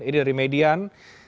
ini dari median